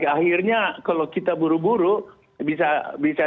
akhirnya kalau kita buru buru bisa